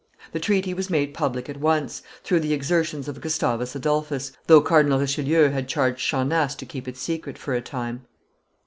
The treaty was made public at once, through the exertions of Gustavus Adolphus, though Cardinal Richelieu had charged Charnace to keep it secret for a time.